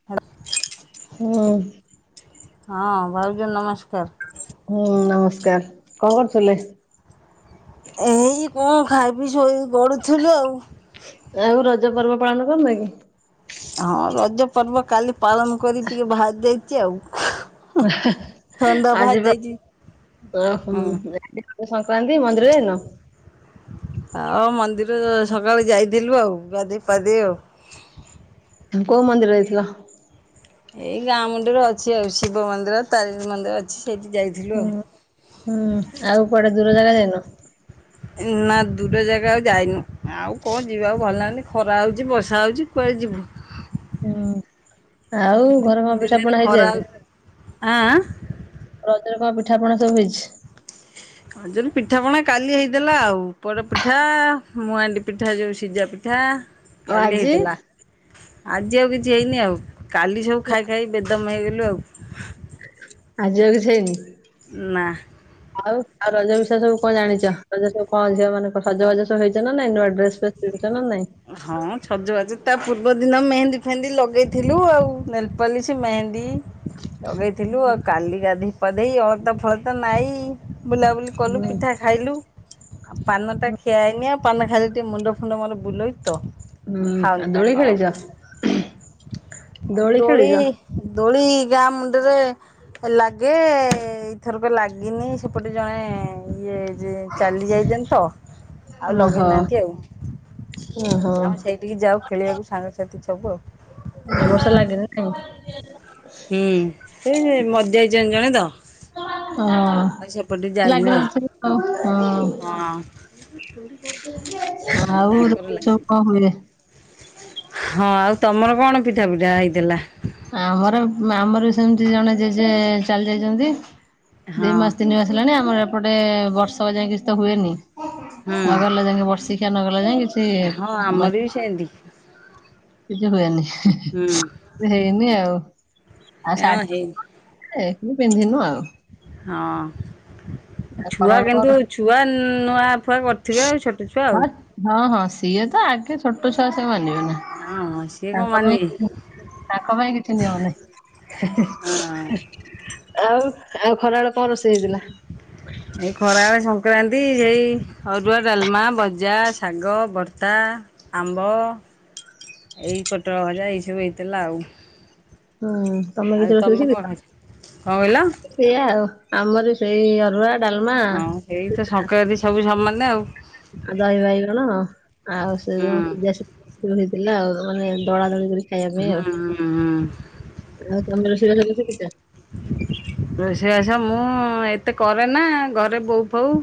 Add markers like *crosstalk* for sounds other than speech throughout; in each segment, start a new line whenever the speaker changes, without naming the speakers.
*unintelligible*
ହୁଁ
ହଁ, ଭାଉଜ ନମସ୍କାର
ହୁଁ ନମସ୍କାର କଣ କରୁଥିଲେ?
ଏଇ କଣ ଖାଇ ପି ଶୋଇ ଗଡୁଥିଲୁ ଆଉ।
ଆଉ ରଜ ପର୍ବ ପାଳନ କରୁନ କି?
ହଁ ରଜ ପର୍ବ କାଲି ପାଳନ କରି ଟିକେ ବାହାର ଜାଇଛି ଆଉ। ଥଣ୍ଡା ବାହାରି
ଆଜିିବା
ଯାଇଛି ହଁ
*unintelligible* ସଂକ୍ରାନ୍ତି ମନ୍ଦିର ଯାଇନ?
ହଁ ମନ୍ଦିର ସକାଳେ ଯାଇଥିଲୁ ଆଉ ଗାଧେଇ ପାଧେଇ ଆଉ।
କୋଉ ମନ୍ଦିରରେ ଥିଲ?
ଏଇ ଗାଁ ମୁଣ୍ଡରେ ଅଛି ଆଉ ଶିବ ମନ୍ଦିର, ତାରିଣୀ ମନ୍ଦିର ଅଛି ସେଇଠି ଯାଇ
ହୁଁ ହୁଁ, ଆଉ କୁଆଡେ ଦୂର ଜାଗା ଯାଇନ?
ନା ଦୂର ଜାଗା ଆଉ ଯାଇନୁ ଆଉ କଣ ଯିବାକୁ ଭଲ ଲାଗୁନି ଖରା ହଉଛି, ବର୍ଷା ହଉଛି। କୁଆଡେ ଯିବୁ?
ହୁଁ, ଆଉ ଘରେ କଣ ପିଠା
ଦିନରେ
ପଣା ହେଇଛି
ଖରା
ଆଜି?
ଆଁ?
ରଜରେ କଣ ପିଠାପଣା ସବୁ ହେଇଛି?
ଆଉଜ ପିଠାପଣା କାଲି ହେଇଥିଲା ଆଉ ପୋଡ଼ ପିଠା, ମୁଁଆଣ୍ଡି ପିଠା ଯୋଉ ସିଝା ପିଠା ପିଠା
ଆଉ
କାଲି
ଆଜି
ହେଇଥିଲା ଆଜି ଆଉ କିଛି ହେଇନି ଆଉ। କାଲି ସବୁ ଖାଇ ଖାଇ ବେଦମ ହେଇଗଲୁ ଆଉ।
ଆଜିି ଆଉ କିଛି ହେଇନି?
ନା
ଆଉ ଆଉ ରଜ ବିଷୟ ସବୁ କଣ ଜାଣିଛ ରଜ ସବୁ କଣ ଝିଅ ମାନେ ସଜବାଜ ହେଇଛ ନା ନାଇଁ ନୂଆ ଡ୍ରେସ ଫେ- *unintelligible* ନା ନାଇଁ
ହଁ ସଜବାଜ ତା ପୂର୍ବ ଦିନ ମେହେନ୍ଦୀ, ଫେହେନ୍ଦି ଲଗେଇଥିଲୁ ଆଉ ନେଲପାଲିସ ସେ ମେହେନ୍ଦୀ ଲଗେଇଥିଲୁ ଆଉ କାଲିି ଗାଧେଇ ପାଧେଇ ଅଳତା, ଫଳତା ନାଇଁ ବୁଲାବୁଲି କଲୁ
ହୁଁ।
ପିଠା ଖାଇଲୁ ଆଉ ପାନଟା ଖିଆଇନି ଆଉ ପାନ ଖାଇଲେ ଟିକେ ମୁଣ୍ଡ ଫୁଣ୍ଡ ମୋର ବୁଲଉଛି। ତ ମୁଁ
ହୁଁ
ଖାଉନି
ଦୋଳି
ପାନ ଆଉ
ଖେଳିଛ
ଦୋଳି ଦୋଳି ଗାଁ ମୁଣ୍ଡରେ ଲାଗେ ଏଇଥରକ ଲାଗିନି ସେପଟେ ଜଣେ ଇଏ ଯେ ଚାଲି ଯାଇଛନ୍ତି ତ ଆଉ
ଓହୋ।
ଲଗେଇନାହାନ୍ତି ଆଉ।
ଓହୋ
ଆମେ ସେଇଠିକି ଯାଉ ଖେଳିବାକୁ ସାଙ୍ଗସାଥି ସବୁ ଆଉ।
*unintelligible*
ହୁଁ ସେ ସେଇ ମରିଯାଇଛନ୍ତି ଜଣେ ତ। ଆଉ
ହଁ
ସେପଟେ ଯାଇନୁ ଆଉ।
*unintelligible* ହଁ
ତାଙ୍କର ଲାଗି
*unintelligible*
ହଁ, ଆଉ ତମର କଣ ପିଠା ପିଠା ହେଇଥିଲା।
ଆମର, ଆମର ସେମିତି ଜଣେ ଜେଜେ ଚାଲି ଯାଇଛନ୍ତି। ଦି
ହଁ
ମାସ ତିନି ମାସ ହେଲାଣି ଆମର ଏପଟେ ବର୍ଷ ଯାଇ କିଛି ତ ହୁଏନି।
ହୁଁ।
ନଗଲା, ଯାଇକି ବର୍ଷିଖିଆ ନଗଲା ଯାଇ କିଛି।
ହଁ, ଆମର
ମାନେ
ବି ସେମତି।
କିଛି ହୁୟେନି,
ହୁଁ,
ହେଇନି ଆଉ,
ଏହା *unintelligible*
ଏକୁ ପିନ୍ଧିନୁ ଆଉ,
ହଁ ଛୁଆ
ଖରାବେଳ କଣ
କିନ୍ତୁ
ରୋଷେଇ
ଛୁଆ ନୂଆ ଫୁଆ କରିଥିବେ ଆଉ ଛୋଟ ଛୁଆ ଆଉ,
ହଁ ହଁ ସିଏ ତ ଆଗେ ଛୋଟ ଛୁଆ ସେ ମାନିବେ ନା।
ହଁ ହଁ ସିଏ କ
ତାଙ୍କ
ମାନିି ବେ
ପାଇଁ
କି?
ତାଙ୍କ ପାଇଁ କିଛି ନିଅନି।
ହଁ।
ଆଉ ଆଉ ଖରାବେେଳ କଣ ରୋଷେଇ ହେଇଥିଲା?
ଏଇ ଖରାବେଳେ। ସଂକ୍ରାନ୍ତି ସେଇ ଅରୁଆ ଡାଲମା ଭଜା ଶାଗ ଭର୍ତା ଆମ୍ବ, ଏଇ ପୋଟଳ ଭଜା ଏଇସବୁ ହେଇଥିଲା ଆଉ।
ହଁ ତମେ
ଆଉ
*unintelligible* ବସୁ
କଣ
ଯିବତ,
ଖାଇଛ କଣ କହିଲ?
ସେଆ ଆଉ, ଆମର ସେଇ ଅରୁଆ ଡାଲମା।
ଏଇତ ସଂକ୍ରାନ୍ତି ସବୁ ସମାନେ ଆଉ,
ଆଉ ଦହିବାଇଗଣ ଆଉ ସେ ଯୋ
ହୁଁ
*unintelligible* ପୁରି ହେଇଥିଲା। ଆଉ ଦଳା ଦଳି କରି, ଖାଇବା ପାଇଁ
ହୁଁ
ଆଉ।
ହୁଁ ହୁଁ
ଆଉ ତମର ସିରାଦ କି ପିତା।
ରୋଷେଇବାସ ମୁଁ ଏତେ କରେନା। ଘରେ ବୋଉ ଫୋଉ,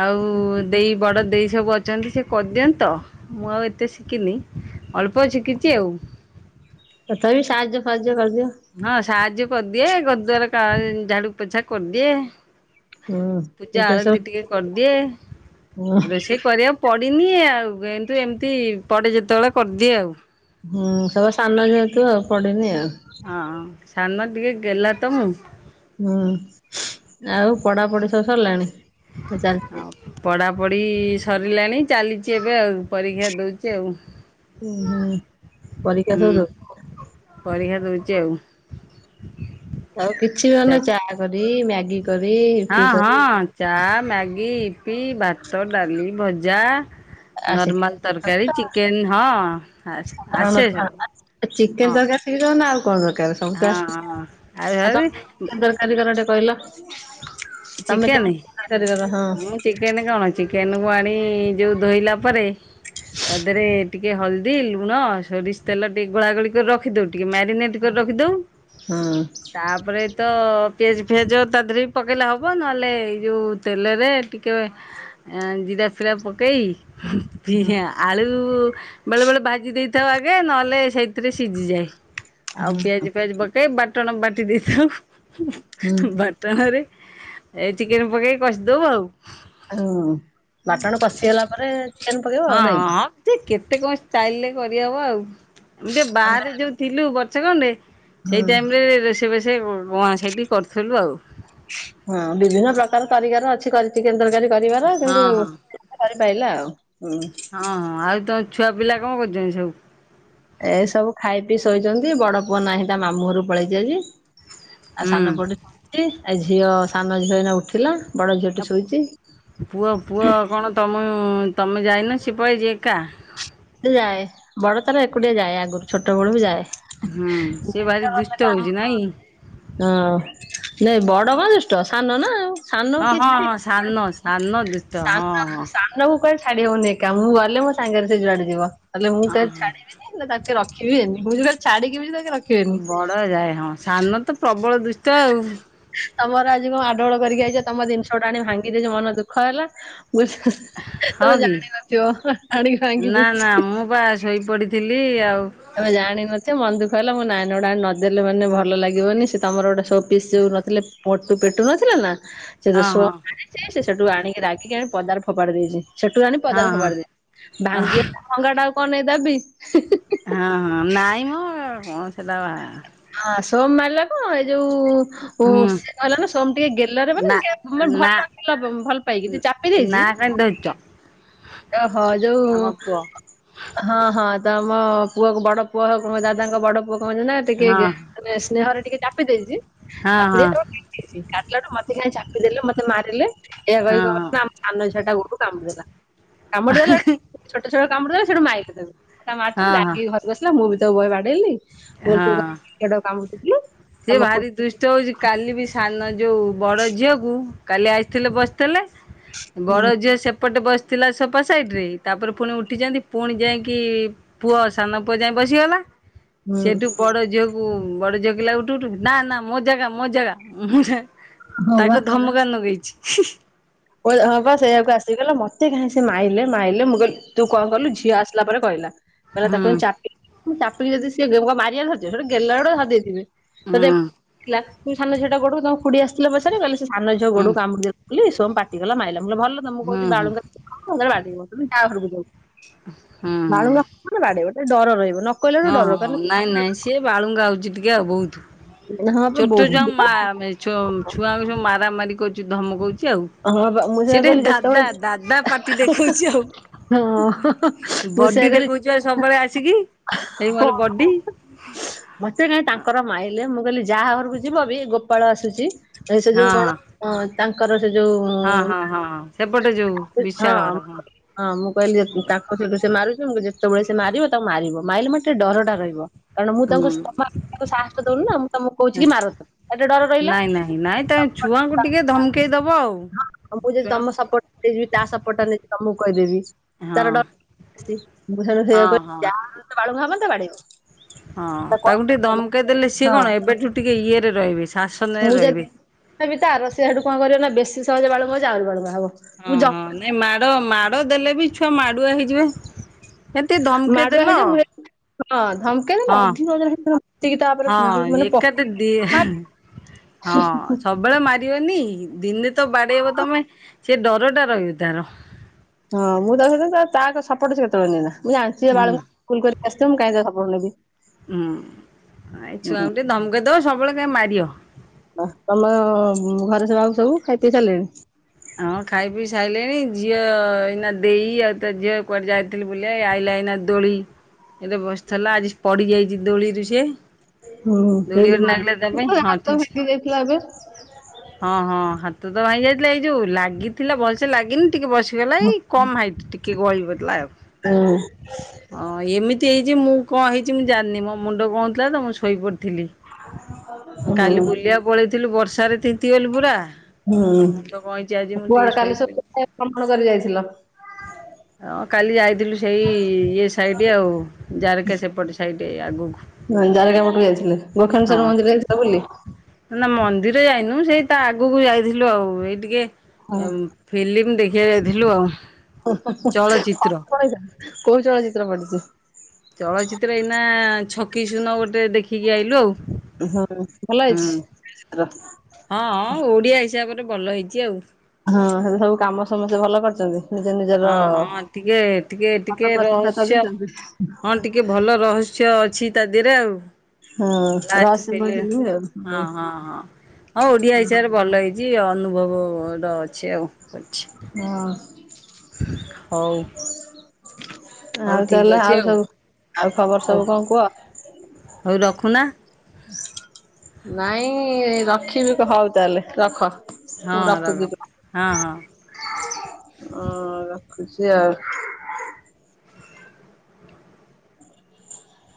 ଆଉ ଦେଇ ବଡ଼ ଦେଇ ସବୁ ଅଛନ୍ତି ସେ କରିଦିଅନ୍ତ ତ, ମୁଁ ଆଉ ଏତେ ଶିଖିନି ଅଳ୍ପ ଶିଖିଛି ଆଉ,
ତଥାବି ସାହାଯ୍ୟ ଫାହାଯ୍ୟ କରିଦିଅ।
ହଁ ସାହାଯ୍ୟ କରିଦିଏ ଘରଦୁଆର କାର ଝାଡୁଉପୋଛା କରିଦିଏ।
ହୁଁ
ପୂଜା
ଏଇତ ସବୁ
ଆଳତି ଟିକେ କରିଦିଏ।
ହୁଁ।
ରୋଷେଇ, କରିବାକୁ ପଡ଼ିନି ଆଉ, ଏନ୍ତୁ ଏମିତି ପଡ଼େ ଯେତେବେଳେ କରିଦିଏ ଆଉ,
ହୁଁ, ସବୁ ସାନ ଯେହେତୁ ଆଉ ପଡିନି ଆଉ।
ହଁ ସାନ ଟିକେ ଗେଲା ତ ମୁଁ।
ହୁଁ ଆଉ ପଢାପଢି ସବୁ ସରିଲାଣି। ଚାଲିଚି
ଆଉ ପଢ଼ାପଢ଼ି ସରିଲାଣି। ଚାଲିଛି ଏବେ ଆଉ ପରୀକ୍ଷା ଦଉଛି ଆଉ,
ଉୁଁ ହୁଁ ପରୀକ୍ଷା
ହୁଁ
ସରୁ,
ପରୀକ୍ଷା ଦଉଛି ଆଉ,
ଆଉ କିଛି ବି ମନେ ଚା କରି ମ୍ୟାଗି କରି,
ହଁ
ଇପି କରି
ହଁ ଚା ମ୍ୟାଗି ଇପି ଭାତ ଡାଲି ଭଜା।
ଆ
ନର୍ମାଲ ତରକାରୀ।
ଚିକେନ
ଚିକେନ ହଁ ଆସେ ସବୁ,
ଚିକେନ
ହଁ
ତରକାରି ଟିକେ ଦଉନ ନା ଆଉ କଣ ଦରକାର। ସବୁ
ହଁ
ଆସିକି
ହଁ
ଆ
ଆଉ
ଆଉ *unintelligible* କାରିଗର ଟେ କହିଲ ତମେ କେମତି କାରିଗର। ହଁ,
ଚିକେନ କଅଣ ଚିକେନ କୁ ଆଣି ଯୋଉ ଧୋଇଲା ପରେ, ତା ଦେହରେ ଟିକେ ହଳଦୀ ଲୁଣ ସୋରିଷ ତେଲ ଟିକେ ଗୋଳା ଗୋଳି କରି ରଖ, ରଖିଦ ଟିକେ ମ୍ୟାରିନେଟ କରି ରଖିଦଉ
ହୁଁ
ତାପରେ ତ ପେଜ ଫେଜ ତା ଦେହରେ ବି ପକେଇଲେ ହବ। ହେବ ନହେଲେ ଏଇ ଯେଉଁ ତେଲରେ ଟିକେ ଜିରା ଫିରା ପକେଇ ଆଳୁ ବେଳେ ବେଳେ ଭାଜି ଦେଇଥାଉ ଆଗେ ନହେଲେ ସେଇଥିରେ ସିଝିଯାଏ ଆଉ ପିଆଜ
ହୁଁ
ଫିଆଜ କହି ବାଟଣ ବାଟି ଦେଇଥାଉ
ହୁଁ
ବାଟଣରେ ଏଇ ଚିକେନ ପକେଇକି କଷିଦଉ ଆଉ।
ହୁଁ ବାଟଣ କଷିଗଲା ପରେ ଚିକେନ ପକେଇବ ଆଉ ନାଇଁ କି
ହଁ ସେ କେତେ କଣ ଚାଇଲେ କରିହବ ଆଉ ଟିକେ ବାହାରେ ଯୋଉ ଥିଲୁ ବର୍ଛାକଣ୍ଡେ
ହୁଁ
ସେଇ ଟାଇମରେ ରୋଷେଇ ବୋଷେ ମଁ ସେଇଠି କରୁଥିଲୁ ଆଉ।
ହଁ ବିଭିନ୍ନ ପ୍ରକାର କରିବାର ଅଛି କରିଛି ଚିକେନ ତରକାରୀ କରିବାର
ହଁ
କିନ୍ତୁ ରେ ପାଇଲା ଆଉ ହୁଁ।
ହଁ ହଁ ଆଉ ତମ ଛୁଆ ପିଲା କଣ କରୁଛନ୍ତି ସବୁ?
ଏ ସବୁ ଖାଇ ପିଇ ଶୋଇଛନ୍ତି ବଡ ପୁଅ ନାହିଁ ତା ମାମୁ ଘରକୁ ପଳେଇଛି ଆଜି। ଆ
ହୁଁ।
ସାନ ପଟେ ଶୋଇଛି ଏ ଝିଅ ସାନ ଝିଅ ଏଇନା ଉଠିଲା ବଡ ଝିଅଟେ ଶୋଇଛି।
ପୁଅ ପୁଅ କଣ ତମେ ତମେ ଯାଇନ ସେପଳି ଜ ଏକା।
ଯାଏ ବଡ ତାର ଏକୁଟିଆ ଯାଏ ଆଗରୁ ଛୋଟ ବେଳକୁ ଯାଏ।
ହୁଁ ସେ
ଯେତେ
ଭାରି
ଗଲେ ତ
ଦୁଷ୍ଟ
ଆମ
ହଉଛି ନାଇଁ।
ହଁ ନାଇଁ ବଡ କଣ ଦୂଷ୍ଟ ସାନ ନା ଆଉ। ସାନ
ହଁ ହଁ
କିଛି
ହଁ ସାନ ସାନ ଦୁଷ୍ଟ ହଁ
ସାନ
ହଁ
ସାନ କୁ କୁଆଡ଼େ ଛାଡି ହଉନି ଏକା ମୁଁ ଗଲେ ମୋ ସାଙ୍ଗରେ ସେ ଯୁଆଡେ ଯିବ ନହଲେ ମୁଁ
ହଁ
କୁଆଡେ ଛାଦିବିନି। ହେ ତାରେ ରଖିବିନି ବଝିଲ ଛାଡି ତା ରଖି
ବଡ ଯାଏ ହଁ ସାନ ତ ପ୍ରବଳ ଦୁଷ୍ଟ ଆଉ।
ତମର ଆଜି କଣ ଆଡୋଳ କରିକି ଆଇଛ ତମ ଜିନିଷଟା ଆଣି ଭାଙ୍ଗିଦେ ମନ ଦୁଃଖ ହେଲା ବୁଝ।
ହଁ
ତମେ
କି?
ଜାଣିିନଥିବ ଆଣିକି ଭାଙ୍ଗି
ନା
ଦେଇ
ନା ମୁଁ ବା ଶୋଇପଡ଼ିଥିଲି ଆଉ।
ଏବେ ଜାଣିନଥେ ମନ୍ଦୁଖହିଲ ମୋ ନାଇଁ ଗୋଡେ ନଦେଲେ ମାନେ ଭଲ ଲାଗିବନି ସେ ତମର ଗୋଟେ ସବୁ ଅଫିସ ଯୋଉ ନଥିଲେ ପଟୁ ପେଟୁ ନଥିଲା ନା ସେ
ହଁ ହଁ
ସେ ସେଠୁ ଆଣିକି ରାଗିକି ଆଣି ପଦାର ଫୋପାଡି ଦେଇଛି ସେଠୁ ଆଣି
ହଁ
ପଦାର
ହଁ।
ଫୋଫାଡି ଦେଇଛି
ହଁ
ଭାଙ୍ଗି ଭଙ୍ଗା ଟା ଆଉ କଣ ନେଇଦେବି।
ହଁ ହଁ ନାଇଁ ମ କଣ ସେଟା
ହଁ ସୋ ମାଲା କଣ ଏଇ ଯୋଉ ଓ
ହୁଁ
ସିଏ କହିଲା ନା ସୋମ ଟିକେ ଗେଲରେ
ନା
ମାନେ ମ
ନା
ଭଲ ଭଲ ପାଇକି ଚାପି ଦେଇଛି।
ନାଁ *unintelligible*
ଓହ ଯୋଉ
ଆମ ପୁଅ
ହଁ ହଁ ତମ ପୁଅ ବଡ ପୁଅ ହଉ କଣ ଦାଦାଙ୍କ ବଡ ପୁଅ କଣ ନା ଟିକେ
ହଁ
ମାନେ ସ୍ନେହରେ ଟିକେ ଚାପି ଦେଇଛି
ହଁ
ଚାପି
ହଁ
ଦେଇ କାଟିଲାଠୁ ମତେ କାହିଁ ଛାପି ଦେଲେ ମତେ ମାରିଲେ ଏହା
ହଁ
କହି ସାନ ଛୁଆଟା ଗୋଡକୁ କାମୁଡିଦେଲା। କାମୁଡି ଦେଲେ ଛୋଟ ଛୋଟ କାମୁଡି ଦେ ସେଠୁ ମାଇଲେ ତାକୁ ଦେବୁ
ହଁ ହଁ
ମାରୁିିବୁ। ବସିଲା ମୁଁ ବି ତୋ ବହେ ବାଡେଇଲି କାମୁଥିଲୁ।
ସେ ଭାରି ଦୃଷ୍ ହଉଛି କାଲି ବି ସାନ ଯୋଉ ବଡ ଝିଅକୁ କାଲି ଆସିଥିଲେ ବସିଥିଲେ। ବଡ
ହୁଁ
ଝିଅ ସେପଟେ ବସିଥିଲା ସୋଫା ସାଇଡରେ ତାପରେ ପୁଣି ଉଠିଛନ୍ତି ପୁଣି ଯାଇକି ପୁଅ ସାନ ପୁଅ ଯାଇ ବସିଗଲା
ହୁଁ
ସେଠୁ ବଡ ଝିଅକୁ ବଡ ଝିଅ କିଲା ଉ ଉଠୁ ଉଠୁ ନା ନା ମୋ ଜାଗା ମୋ ଜାଗା
ହଁ ବା।
ତାକୁ ଧମକାଣ ନଗେଇଛି।
ଓଏ ହଁ ବା ସେଇୟାକୁ ଆସିକି କହିଲା ମତେ କାହିଁ ସେ ମାଇଲେ ମାଇଲେ ମୁଁ କଇଲି ତୁ କଣ କଲୁ ଝିଅ ଆସିଲା ପରେ କହିଲା। କହିଲା
ହୁଁ
ତାକୁ ଏମିତି ଚାପିକି ଚାପକି ଯଦି ସିଏ କଣ ମାରିବାକୁ ଧରିିଥିବେ ସେଟୁ ଗେଲ ଆଡୁଆ ଧରି ଦେଇଥିବେ।
ହୁଁ ହୁଁ
*inaudible* ବୋଲି ସୋମ ପାଟିଗଲା ମାଇଲା ମୁଁ କହିଲି ଭଲ ତ ମୁଁ
ହୁଁ
କହୁଛି
ହୁଁ
ବାଳୁଙ୍ଗା ଯେତେବେଳେ ହବ ସେତେବେଳେ ବାଡେଇବ *unintelligible*
ହୁଁ ହୁଁ।
ବାଳୁଙ୍ଗା ହେଲେ ବାଡେଇବ ଟିକେ ଡର ରହିବ ନ କହିଲା ଠୁ
ହଁ
ଡର
ହଁ
କାରଣ
ନାଇଁ ନାଇଁ ସିଏ ବାଳୁଙ୍ଗା ହଉଛି ଟିକେ ଆଉ ବହୁତ୍
ହଁ ବାପା
ଛୋଟ
ବୋହୂ
ଛୁଆ
ଟି
ମା
ତ
ଛୁଆଙ୍କୁ ସବୁ ମାରାମାରି କରୁଚି ଧମକଉଚି ଆଉ।
ହଁ ବାପା ମୁଁ ସେଇଆ
ସେଇଟା
କହିଲି ଯେତେବେଳେ
ଦାଦା ଦାଦା ପାଟି ଦେଖଉଛି ଆଉ।
ହଁ ମୁଁ
ବଡି
ସେଇଆ କଇଲି।
*inaudible* ସବୁବେଳେ ଆସିକି ହେଇ ମୋର ବଡି।
ମତେ କାଇଁ ତାଙ୍କର ମାଇଲେ ମୁଁ କହିଲି ଯାହା ଘରକୁ ଯିବ ବି ଗୋପାଳ ଆସୁଚି ଏ ସେ
ହଁ
ଯୋଉ କଣ
ହଁ।
*inaudible* ତାଙ୍କର ସେ ଯୋଉ
ହଁ ହଁ ହଁ ହଁ ସେପଟେ ଯୋଉ
ହଁ
ବିଶାଳ ଘର
ହଁ ମୁଁ କହିଲି ଯେ ତା ସେ ମାରୁଚି ମୁଁ କହିଲି ଯେତେବେଳେ ସେ ମାରିବ ତାକୁ ମାରିବ ମାରିଲେ ମୋତେ ଡରଟା ରହିବ। କାରଣ ମୁଁ ତାଙ୍କୁ
ହୁଁ।
ତମ ସାହସ ଦଉନ ନା ମୁଁ ତମକୁ କହୁଛି କି ମାର ତାକୁ ତାର ଟିକେ ଡର ରହିଲା।
ଏ ନାଇଁ ତା ଛୁଆଙ୍କୁ ଟିକେ ଧମକେଇ ଦବ ଆଉ।
ଆଉ ମୁଁ ଯଦି
ଛୁଆ
ତମ ସପୋର୍ଟ ନେଇଯିବି ତା ସପୋର୍ଟ ଟା ନେଇି ତମକୁ କହିଦେବି।
ହଁ ହଁ ହଁ।
*unintelligible*
ହଁ ତାକୁ ଟିକେ ଦମକେଇ ଦେଲେ
କହ।
ସିଏ
ହଁ
କଣ ଏବେଠୁ ଟିକେ ଇଏ ରେ ରହିବେ।
ମୁଁ
ଶାସନରେ
ବି ଯଦି
ରହିବେ।
ତାର ସିଏ ସେଠୁ କଣ କରିବ ନା ବେଶୀ ସହଜେ ବାଳୁଙ୍ଗା ହଉଚି ଯେ ଆହୁରି ବାଳୁଙ୍ଗା ହବ।
ହଁ
ମୁଁ ଜ
ହଁ ନାଇଁ ମାଡ ମାଡ ଦେଲେ ବି ଛୁଆ ମାଡୁଆ ହେଇଯିବେ। ଏମିତି ଧମକେଇ
ମାଡୁଆ
ଦେଲ।
ହେଇଯିବ ହଁ ଧମକେଇ
ହଁ
ଦେଲେ ଅଧିକ *inaudible*
ହଁ
ଯୋଉ ମାନେ
ଏକା
ପକା
ତ ଦି ହଁ ସବୁ ସବୁବେଳେ ମାରିବନି ଦିନେ ତ ବାଡେଇ ତମେ ସେ ଡର ଟା ରହିବ ତା ର।
ହଁ ମୁଁ ତାକୁ ତାର ସପୋର୍ଟ ସିଏ କେତେବେଳେ ନିଏନା ମୁଁ ଜାଣିଚି ଇଏ
ହୁଁ
ବାଳଙ୍ଗା ଭୁଲ କରିକି ଆସିଥିବ ମୁଁ କାଇଁ ତା ସର୍ପୋଟ ନେବି।
ହୁଁ ଏଇ
ହୁଁ
ଛୁଆଙ୍କୁ ଟିକେ ଧମକେଇ ଦବ ସବୁବେଳେ କାଇଁ ମାରିବ‌।
ହ ତମ ଘରେ ସେ ବାକୁ ସବୁ ଖାଇ ପିଇ ସାରିଲେଣି?
ହଁ ଖାଇ ପିଇ ସାଇଲେଣି ଝିଅ ଏଇନା ଦେଇ ଆଉ ତା ଝିଅ କୁଆଡେ ଯାଇ ଥିଲେ ବୁଲିଆ ଏ ଆଇଲା ଏଇନା ଦୋଳି ଏ ତ ବସିଥିଲା ଆଜି ପଡି ଯାଇଚି ଦୋଳିରୁ ସିଏ।
ହୁଁ
ଦୋଳି
ହେଲୁ
ଗୋଟେ ନାଗିଲା ତା ପାଇଁ
ମାଲ
ହଁ
ହାତ
ଠିକ୍ ସେ
ଭାଙ୍ଗିଦେଇଥିଲା ଏବେ
ହଁ ହଁ ହାତ ତ ଭାଙ୍ଗ ଯାଇଥିଲା ଏଇ ଯୋଉ ଲାଗିଥିଲା ଭଲସେ ଲାଗିନି ଟିକେ ବସିଗଲା ଏଇ କମ୍ ହାଇଟ ଟିକେ ଗଳି ପଡିଥିଲା ଆଉ।
*inaudible*
ଅଁ ଏମିତି ହେଇଚି ମୁଁ କଣ ହେଇଚି ମୁଁ ଜାଣିନି ମୋ ମୁଣ୍ଡ ହଉଥିଲା ତ ମୁଁ ଶୋଇପଡିଥିଲି। କାଲି
ହୁଁ
ବୁଲିବାକୁ ପଳେଇଥିଲୁ ବର୍ଷରେ ତିନ୍ତିଗଲି ପୁରା ଆଉ
ହୁଁ
ମୁ ମୁଣ୍ଡ କଣ ହେଇଛି ଆଜି ମୁଁ ଟିକେ
କୁଆଡେ କାଲି
ଶୋଇପଇଲି
ସବୁ ଭ୍ରମଣ କରି ଯାଇଥିଲ?
ହଁ କାଲି ଯାଇଥିଲୁ ସେଇ ଇଏ ସାଇଡ଼ ଆଉ ଜାରକା ସେପଟେ ସାଇଡ଼ ଆଗକୁ
ହଁ ଜାରକା ପଟୁ ବି ଯାଇଥିଲୁ ଗୋଖେନଶ୍ୱର ମନ୍ଦିର
ହଁ
ଯାଇଥିଲା ବୁଲି?
ନା ମନ୍ଦିର ଯାଇନୁ ସେଇ ତା ଆଗକୁ ଯାଇଥିଲୁ ଆଉ ଏଇ ଟିକେ ଫିଲ୍ମ ଦେଖିବାକୁ ଯାଇଥିଲୁ ଆଉ।
*inaudible*
ଚଳଚିତ୍ର।
କୋଉ ଚଳଚିତ୍ର ପଡିଚି?
ଚଳଚିତ୍ର ଏଇନା ଛକି ସୁୂନ ଗୋଟେ ଦେଖିକି ଆଇଲୁ ଆଉ।
ହଁ ଭଲ ହେଇଛି।
ହଁଅଁ ଓଡ଼ିଆ ହିସାବରେ ଭଲ ହେଇଛି ଆଉ।
ହଁ ହେଲେ ସବୁ କାମ ସମସ୍ତେ ଭଲ କରିଛନ୍ତି। ନିଜ ନିଜର
ହଁ ହଁ ଟିକେ ଟିକେ
ମତ
ଟିକେ
ପ୍ରତିଶତ
ରହସ୍ୟ ହଁ
ଦେଇଛନ୍ତି।
ଟିକେ ଟିକେ ଭଲ ରହସ୍ୟ ଅଛି ତା ଦେହରେ ଆଉ।
ହଁ ରହସ୍ୟମୟ ଫିଲ୍ମ ଆଉ ହଉ
ହଁ ହଁ ହଁ ଓଡିଆ ହିସାବରେ ଭଲ ହେଇଚି। ଅନୁଭବର ଅଛି ଆଉ ଅଛି।
ହଁଅଁ।
ହଉ। ହଉ
ଆଉ
ଠିକ୍
ତାହେଲେ
ଅଛି
ଆଉ ସବୁ ଆଉ ଖବର
ହଉ
ସବୁ କଣ କୁହ।
ହଉ ରଖୁନା।
ନାଇଁ ରଖିବି ହଉ ତାହେଲେ ରଖ।
ହଁ
ମୁଁ
ରଖ
ରଖୁଛି
ହଁ ହଁ।
ହଁ ରଖୁଛି ଆଉ। ହ *unintelligible*